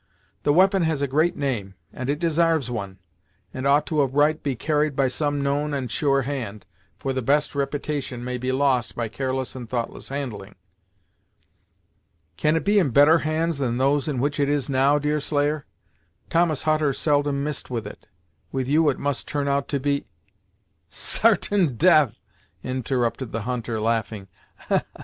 The we'pon has a great name, and it desarves it, and ought of right to be carried by some known and sure hand, for the best repitation may be lost by careless and thoughtless handling." "Can it be in better hands than those in which it is now, Deerslayer? Thomas Hutter seldom missed with it; with you it must turn out to be " "Sartain death!" interrupted the hunter, laughing.